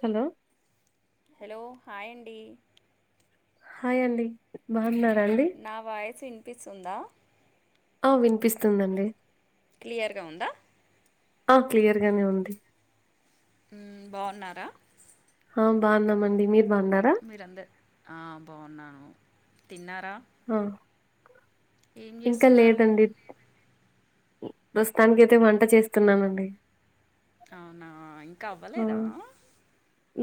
Hello hello hi అండి hi అండి బాన్నా నా వాయిస్ వినిపిస్తుందా ఆ వినిపిస్తుందండి క్లియర్గా ఉందా ఆ క్లియర్ గానే ఉంది ఉమ్ బాగున్నారా ఆ బాగుందన్నాంమండి మీరు బాగున్నారా మీరందరు ఆ బాగున్నాను తిన్నారా ఆ ఏం ఇంకా చేస్తున్నారు లేదండి ప్రస్తుతానికి అయితే వంట చేస్తున్నానం అండి అవునా ఇంకా అవ్వలేదా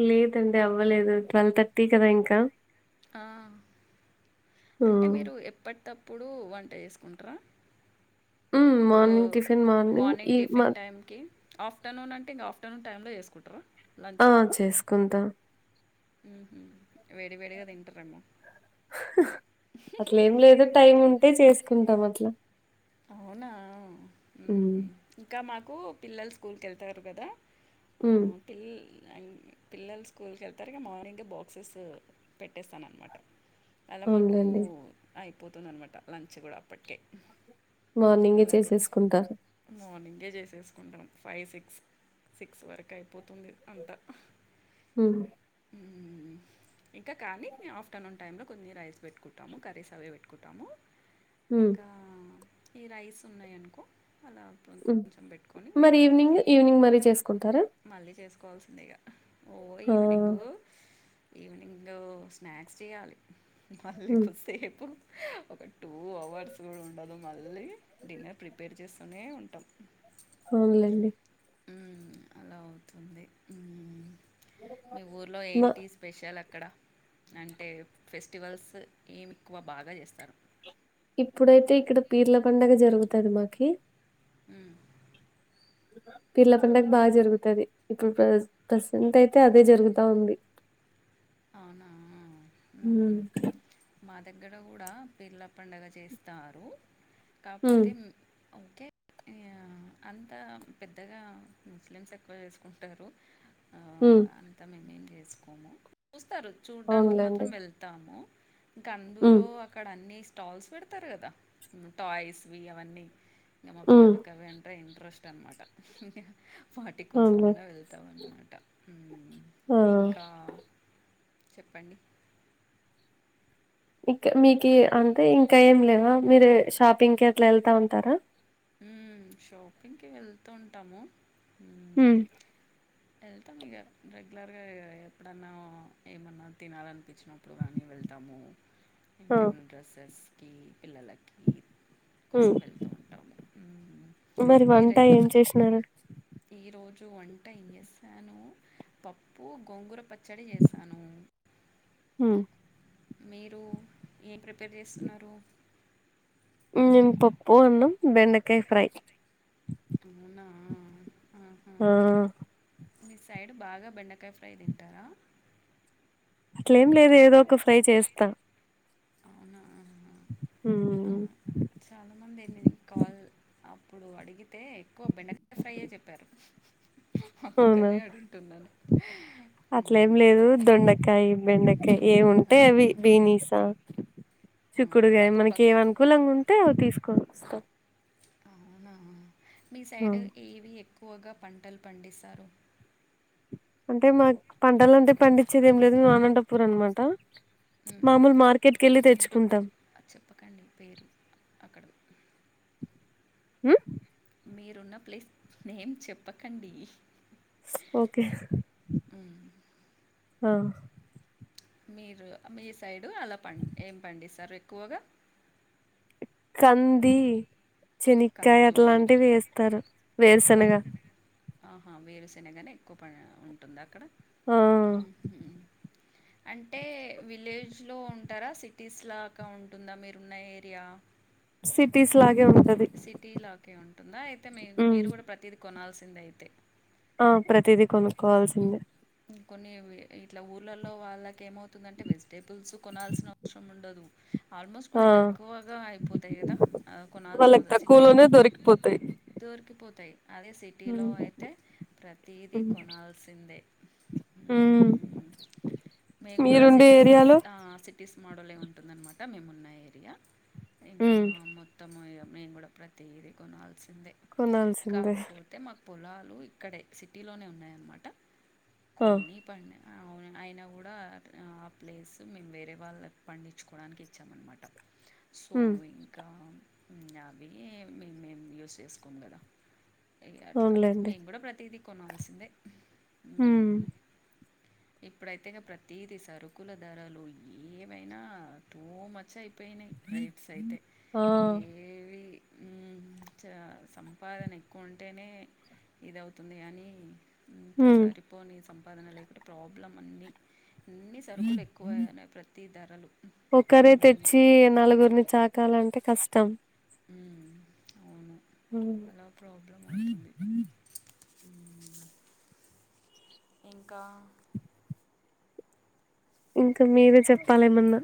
లేదండి అవ్వలేదు ట్వెల్వ్ థర్టీ కద ఇంక ఆ అంటే ఉమ్ మీరు ఎప్పటి త [unintelligible] అప్పుడు వంట చేసుకుంటార మార్నింగ్ టిఫిన్ మార్నింగ్ ఈ మ ఆఫ్టర్ నూన్ అంటే ఇంగ ఆఫ్ర్నూన్ టైంలో చేసుకుంటారా లంచ్ ఆ చేసుకుంట ఉహు అట్ల ఏం లేదు టైం ఉంటే చే కుంటమ్ అట్ల అవునా ఉ కు పిల్లలు స్కూల్కి వెళ్తారు కదా ఉమ్ పి అండ్ పిల్లలు స్కూల్కి వెళ్తారు ఇగ మార్నింగ్ బాక్సెస్ పెట్టేస్తాను అనమాట అల మాకు అవునులేండి అయిపోతుంది అనమాట లంచ్ కూడ అప్పటికే మార్నింగే చేసేసుకుంట అదే చేసేసుకుంటాం ఫైవ్ సిక్స్ సిక్స్ వరకు అయిపోతుంది అంత ఉ ఇంక కానీ మే ఆఫ్టర్నూన్ టైంలో కొన్ని రైస్ పెట్టుకుంటాము కర్రీస్ అవే పెట్టుకుంటాము ఉ ఇంకా ఈ రైస్ ఉన్నాయి అనుకో అల అప్పుడు ఉమ్ కొంచెం పెట్టుకొని మరి వేడిగా అప్పుడు ఈవినింగ్ ఈవినింగ్ మరీ చేసుకుంటారా [unintelligible] మళ్ళీ చేసుకు కావాల్సిందిగ హ ఈవినింగ్లో స్నాక్స్ చేయాలి మళ్ళీ హ్మ్. కొద్దిసేపు ఒక టూ అవర్స్ కూడ ఉండదు మళ్ళీ డిన్నర్ ప్రిపేర్ చేస్తూనే ఉం అవునులేండి అలా అవుతుంది మీ ఊర్లో మా ఏంటి స్పెషల్ అక్కడ అంటే ఫెస్టివల్స్ ఏమి ఎక్కువ బాగ చేస్తారు ఇప్పుడైతే ఇక్కడ పీర్ల పండగ జరుగుతది మాకి ఉ పీర్ల పండగ బాగ జరుగుతది ఇప్పుడు ప్ర ప్రసంట్ అయితే అదే జరుగుతా ఉంది అహా హ్మ్. మా దగ్గర కూడ పీర్ల పండగ చేస్తారు హ్మ్. కాకపోతే ఓకే ఆ అంతా పెద్దగ ముస్లిమ్స్ ఎక్కువ చేసుకుంటారు ఆ, ఉ చేసుకోము చూడ్డానికి అవునులేండి. మాత్రం వెళ్తాము ఇంక హ్మ్. అందులో అక్కడ అన్ని స్టాల్స్ పెడతారు కదా టాయ్స్ వి అవన్నీ ఇంకా మ హ్మ్. పిల్లలకి అవి అంటే ఇంట్రే అనమాట ఇంక వాటి కోసం అవునులే. అన్నా వెళ్తాంనమాట ఆ! ఇంకా చెప్పండి ఇంకా మీకు అంటే ఇంకా ఏం లేవ మీరు షాపింగ్ కి ఎట్లా వెళ్తా ఉంటార షాపింగ్కి వెళ్తూ ఉంటాము ఉ హ్మ్. వెళ్తాం ఇక రెగ్యులర్ గా ఎప్పుడన్నా ఏమన్నా తినాలనిపించినప్పుడు కానీ వెళ్తాము ఆ! ఇంకామైనా డ్రెస్సెస్కి పిల్లలకి హ్మ్. కోసం వెళ్త ఉంటాము హ్మ్. మరి వంట ఏం చేసినారు రోజు వంట ఏం చేస్తాను పప్పు గోంగూర పచ్చ డి చేసాను హ్ మీరు ఏం ప్రిపేర్ చేస్తున్నారు మేము పప్పు అన్నాం బెండకయ ఫ్రై అవునా ఆహా ఆ! మీ సైడ్ బాగా బెండకాయ ఫ్రై తింటారా అట్ల ఏం లేదు ఏదో ఒక ఫ్రై చేస్తా అవునా హ్ చాలా మంది ఏంది ఇది కాల్ అప్పుడు అడిగితే ఎక్కువ బెండకాయ ఫ్రైయ అని చెప్పారు అవునా అందుకనే అడుగుతున్నాను అట్లేం మ్మ్. లేదు దొండకాయ బెండకాయ ఏం ఉంటె అవి ఆహా, బిర్నిస ఆహా. చిక్కుడుకాయా పప్పు మనకి పక్ ఏం అనుకూలంగా ఉంటే అవి తీసుకొని అస్త అవునా మీ సైడ్ ఏవి ఎక్కువగా పంటలు పండిస్తారు అంటే మాకు పంటల అంటే పండించేది ఏం లేదు ఆనంతపూర్ అనమాట హ్ మామూలు మార్కెట్ కెళ్ళి ఇంటో తెచ్చుకుంటాం చెప్పకండి పేరు అక్కడ హ్ మీరున్న ప్లేస్ నేమ్ చెప్పకండి ఓకే మ్మ్. ఆ మీరు మీ సైడు అలా పండి ఏం పండిస్తారు ఎక్కువగా కంది శనిక్కాయయ కందులు అట్లాంటివి వేస్తారు కం వేరూశనగా ఆహా వేరుశేనగానే ఎక్కువ పంట ఉంటుంద అక్కడ ఆ అంటే విలేజ్లో ఉంటారా సిటీస్ లాగా ఉంటుందా మీరున్న ఏరియా సిటీస్ లాగే ఉంటది సిటీ లగె ఉంటుందా అయితే మీ ఉమ్ మీరు కూడా ప్రతిదీ కొనాల్సిందే అయితే ఆ ప్రతిదీ కొనుక్కోవాల్సిందే కొన్ని ఇట్లా ఊర్లలో వాళ్ళకి ఏమవుతుందంటే వెజిటేబుల్స్ కొనాల్సిన అవసరం ఉండదు ఆల్మోస్ట్ ఆ కొన్ని తక్కువగా అయిపోతాయి కదా కొనాల్సిన వాళ్ళకి అవస సిటీలో తక్కువలోనే దొరికిపోతాయి దొరికిపోతాయి అదే సిటీలో ఉమ్ అయితే ప్రతిదీ కొనాల్సిందే హ్ మేము కూడా సిటీస్ ఆ సిటీస్ మోడలే ఉంటుందన్నమా అట మేమున్న ఏరియా ఇంకా ఉమ్ మొత్తం నేను కూడా ప్రతిది కొ స్సిందే కొనాల్సిందే కాకపోతే మాకు పొలాలు ఇక్కడే సిటీలోనే ఉన్నాయన్నమాట ఆ కొన్ని పడి అవును అయినా కూడా ఆ ప్లేస్ మేము వేరే వాళ్ళుకు పండించుకోవడానికి ఇచ్చాము అన్నమాట సో ఉమ్ ఇంకా ఇంగ అవి మే మేము యూస్ చేసుకోం కదా ఇగ అట్లా అవునులేండి మేము కూడా ప్రతిదీ కొనాల్సిందే హ్ ఇప్పుడైతేగా ప్రతీది సరుకుల ధరలు ఏవైనా టు మచ్ ఆ రైట్స్ అయితే ఆ ఏవి హుమ్ చా సంపాదన ఎక్కువ ఉంటేనే ఇదవుతుంది గానీ ఎంత ఉమ్ సరిపోనీ సంపాదన లేకుంటే ప్రాబ్లం అన్ని అన్ని సరుకులు ఎక్కువ ప్రతి ధరలు ఒక్కరే మ్మ్ తెచ్చి నలుగురిని చాకాలంటే కష్టం అవును ఉమ్ అలా ప్రాబ్లం అవుతుంది ఇంకా ఇంకా మీరే చెప్పాలేమన్నా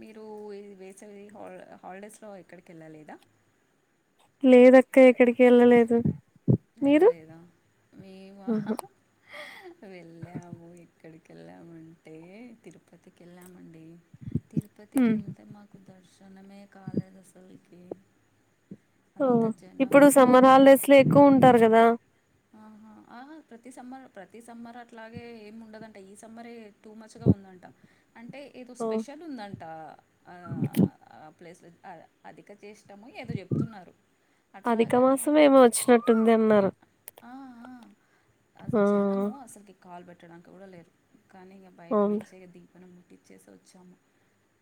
మీరు ఇ వేసవి హాల్ హాలిడేస్ లో ఎక్కడికి వెళ్ళలేదా లేదక్క ఎక్కడికి ఎళ్ళలేదు వెళ్ళలేదా మేమ ఆహా వెళ్ళాము ఎక్కడికే కెళ్ళామంటే తిరుపతికి వెళ్ళామండి తిరుపతికి ఉమ్ వెళ్తే మాకు దర్శనం దర్శనమే కాలేదు అసల్కి ఓ ఇప్పుడు సమ్మర్ హాలిడేస్ లో ఎక్కువ ఉంటారు కదా ఆహా ఆహా ప్రతి సమ్మర్ ప్రతి సమ్మర్ అట్లాగే ఏమి ఉండదంట ఈ సమ్మరే టూ మచ్ గా ఉంది ఉందట అంటే ఏదో ఓ స్పెషల్ ఉందంట ఆ ఆ ప్లేస్లో అధిక చేస్ అధిక అట్లాగని మాసం ఏమో వచ్చినట్టుంది అన్నారు ఆ ఆ జనము అసలుకి కాల్ పెట్టడానికి కూడా లేరు కానీ ఇంక బయట అవును నుంచే ది దీపం ముట్టిచ్చేసి వచ్చాము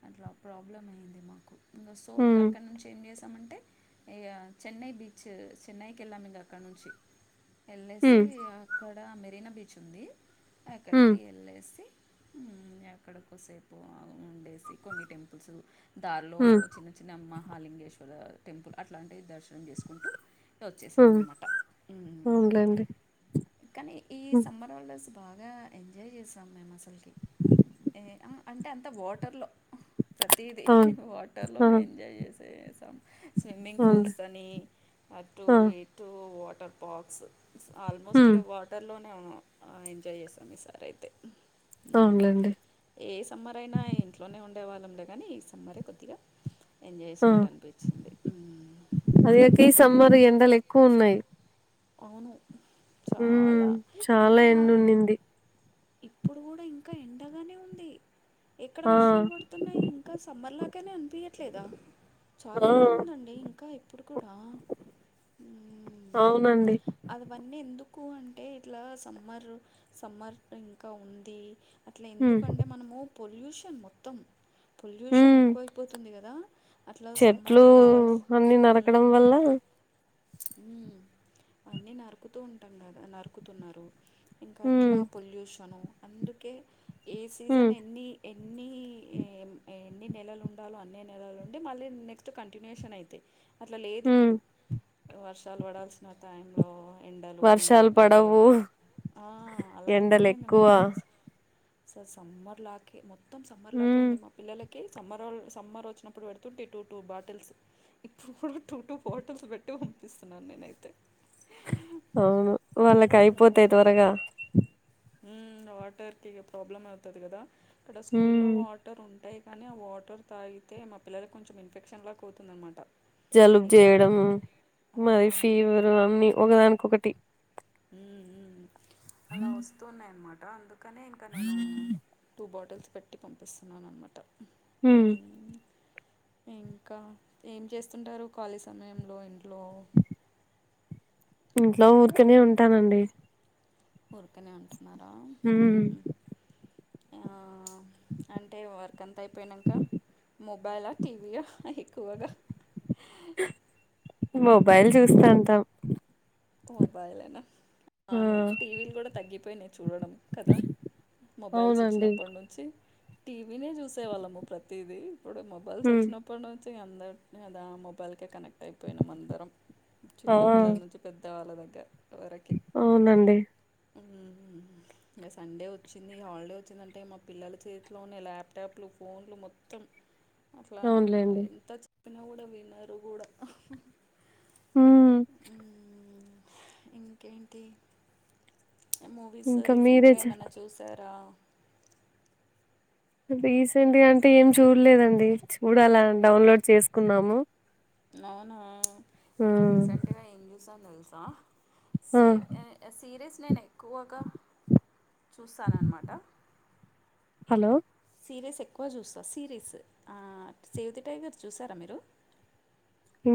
అట్లా ప్రాబ్లం అయ్యింది మాకు సో ఇంకా ఉమ్ అక్కడ నుంచి ఏం చేసి చేసమంటే ఇగ చెన్నై బీచ్ చెన్నైకెళ్ళాము ఇక అక్కడ నుంచి వెళ్ళేసి ఉమ్ అక్కడ మెరీనా బీచ్ ఉంది ఉమ్ అక్కడికి ఎళ్ళేసి హుమ్ అక్కడకోసేపు ఉండేసి కొన్ని టెంపుల్స్ దారిలో ఉమ్ చిన్న చిన్న మహాలింగేశ్వర్ టెంపుల్ అట్లాంటివి దర్శనం చేసుకుంటూ వచ్చేసాం అనమాట అవున్ లేండి కానీ ఈ హు సమ్మర్ హాలిడేస్ బాగా ఎంజాయ్ చేసాం మేము అసలుకి అంటే అంత వాటర్లో ఆ ప్రతీదీ అవును వాటర్లోనే అవును ఎంజాయ్ చేసే చేసాం స్విమ్మింగ్ పూల్స్ అవును అని అటు ఇటూ వాట్ పాల్స్ ఆల్మోస్ట్ హ్మ్. ఇగ వాటర్లోనే ఎంజాయ్ చేసాం ఈసారి అయితే అవునులెండి. ఏ సమ్మరైనా ఇంట్లోనే ఉన్ ఉండేవాళ్ళం లే కానీ ఈ సమ్మరే కొద్దిగా ఎంజాయ్ ఆ! చేసినట్టు అనిపించింది ఉన్నయ్ అవును చాలా చాలా ఇంకా ఎండుండింది. ఇప్పుడు కూడా ఇంకా ఎండగానే ఉంది ఎక్కడ ఆ! వర్షాలు పడుతున్నాయి ఇంకా సమ్మర్ లాగానే అనిపియట్లేదా చాలా ఆ! ఎండ ఉందండి ఇంకా ఇప్పుడు కూడా అవునండి అది వన్నీ ఎందుకు అంటే ఇట్లా సమ్రు సమ్మర్ ఇంకా ఉంది అట్లా హ్మ్. ఎందుకంటే మనము పొల్యూషన్ మొత్తం పొల్యూషన్ హ్మ్. ఎక్కువైపోతుంది కదా అట్లా చెట్లు సమ్మర్లో రావాల్సి అన్నీ నరకడం మ్మ్ వల్ల మ్మ్ అన్నీ నరుకుతూ ఉంటాం కదా నరుకుతున్నారు ఇంకా హ్మ్. అట్లా పొల్యూషను అందుకే ఏ సీజన్ హ్మ్. ఎన్ని ఎన్ని ఏం ఏ ఎన్ని నెలలు ఉండాలో అన్ని నెలలు ఉండి మళ్ళీ నెక్స్ట్ కంటిన్యూయేషన్ అయితాయి అట్లా లేదు హ్మ్. ఇప్పుడు వర్షాలు పడాల్సిన టైంలో ఎండలు ఎండల వర్షాలు టైంలో పడవు. ఆ అలా అయిపోయింది ఎండలెక్కువ. మొత్తం సార్ సమ్మర్ లాకే మొత్తం సమ్మర్ లాకే హ్మ్. ఉంది మా పిల్లలకి కి సమ్మరోల్ సమ్మర్ వచ్చినప్పుడు పెడుతుంటి టూ టూ బాటిల్స్ ఇప్పుడు కూడా టూ టూ బాటిల్స్ పెట్ట పంపిస్తున్నాను నేనైతే అవును వాళ్ళకి మ్మ్. అయిపోతాయి త్వరగా మ్మ్ వాటర్ కి ఇగ ప్రాబ్లం అవుతది కదా అక్కడ హ్మ్. స్కూల్లో వాటర్ ఉంటాయి కానీ ఆ వాటర్ తాగితే మా పిల్లలకి కొంచెం ఇన్ఫెక్షన్లా పోతుందనమాట జలుబు చేయడం ఆ, మరి ఫీవరు అన్ని ఒకదానికొకటి మ్మ్ మ్మ్ అలా వస్తూన్నాయనమాట అందుకు కానీ ఇంకా నేను టూ బాటిల్స్ పెట్టి పంపిస్తున్నాను అనమాట మ్మ్ ఇంకా ఏం చేస్తుంటారు ఖాళీ సమయంలో ఇంట్లో ఇంట్లో ఊరికనే ఉంటానండి ఊరుకనే ఉంటున్నార మ్మ్ ఆ, అంటే వర్క్ అంత అయిపోయినంకా మొబైలా టీవీయా ఎక్కువగా మొబైల్ చూస్తా ఉంటాను. మొబైలేనా ఆ అవును టీవీలు కూడా తగ్గిపోయినాయి చూడడం కదా మొబైల్స్ అవునండి వచ్చినప్పటి నుంచి టీవీ నే చూసే వాళ్ళము ప్రతిది ఇప్పుడు మొబైల్స్ వచ్చినప్పుడు నుంచి అందరు అదా మొబైల్కే కనెక్ట్ అయిపోయినాం అందరం ఆ చిన్నపిల్లల నుంచి పెద్ద వాళ్ల దగ్గర అవునండి మ్మ్ ఇంగా సండే వచ్చింది హాలిడే వచ్చిందంటే మా పిల్లల చేతిలోనే ల్యాప్టాప్లు ఫోన్లు మొత్తం అట్లా అవునులేండి ఎంత చెప్పినా కూడా వినరు కూడా మ్మ్ మ్మ్ ఇంకేంటి మూవీస్ ఇంకా రీసెంట్ మీరే గా చెప్ప ఏమన్నా చూసారా రీసెంట్ గా అంటే ఏం చూడలేదండి చూడాల డౌన్లోడ్ చేసుకున్నాము అవునా ఆ నేను రీసెంట్గా ఏం చూసాను తెలుసా ఆ, సే సీరీస్ నేను ఎక్కువగా చూసాననమాట హలో సిరీస్ ఎక్కువ చూస్తా సిరీస్ ఆ సేవ్ ది టైగర్ చూసారా మీరు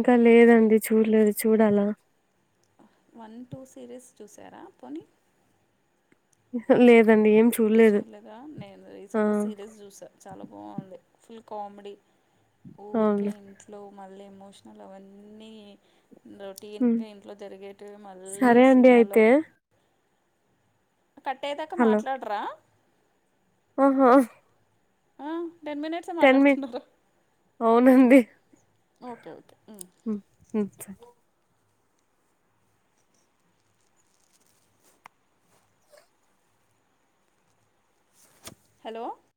ఇంకా లేదండి చూడలేదు చూడాలా వన్ టూ సిరీస్ చూసారా పోనీ లేద్ చూడలేదా నేను ఆ రీసెంట్ గా సిరీస్ చూసా చాల బాగుంది ఫుల్ కామెడీ ఊరికే అవును ఇంట్లో మళ్ళీ ఎమోషనల్ అవన్నీ ఉమ్. రొటీన్గా ఇంట్లో జిరిగేటివి మళ్ళీ సరే అండి సినిమాలో అయితే కట్టె దాకా హలో మాట్లాడరా హా ఆ టెన్ మినిట్సే మాట్లాడుతున్నరు ఓకే ఓకే హు హెలో